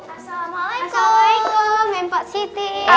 assalamualaikum mimpok siti